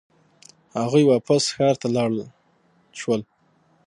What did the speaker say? هغوی واپس ښار ته لاړ شول.